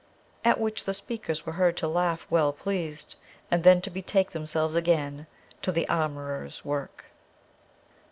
At which the speakers were heard to laugh well pleased, and then to betake themselves again to their armourer's work.